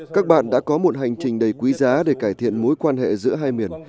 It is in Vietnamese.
các bạn đã có một hành trình đầy quý giá để cải thiện mối quan hệ giữa hai miền